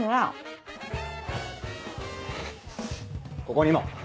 ここにも。